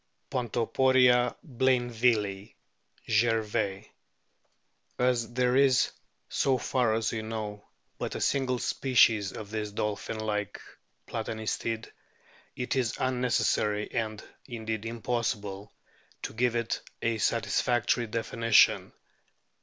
Pontoporia blainvillii, Gervais. ' k As there is, so far as we know, but a single species of this dolphin like Platanistid, it is unnecessary and indeed im possible to give it a satisfactory definition.